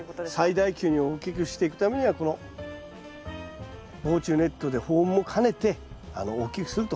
最大級に大きくしていくためにはこの防虫ネットで保温も兼ねて大きくすると。